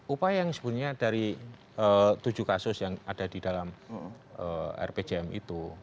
upaya yang sebenarnya dari tujuh kasus yang ada di dalam rpjm itu